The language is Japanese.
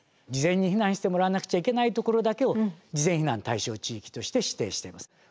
事前に避難してもらわなくちゃいけないところだけを事前避難対象地域として指定しています。